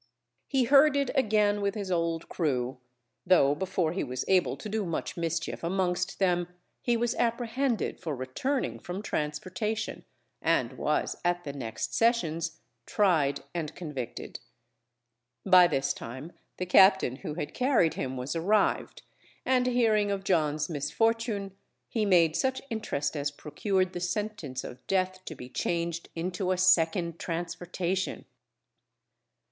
He herded again with his old crew, though before he was able to do much mischief amongst them he was apprehended for returning from transportation, and was at the next sessions tried and convicted. By this time the captain who had carried him was arrived, and hearing of John's misfortune, he made such interest as procured the sentence of death to be changed into a second transportation.